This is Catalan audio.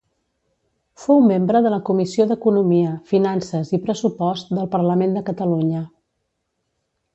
Fou membre de la comissió d'Economia, Finances i Pressupost del Parlament de Catalunya.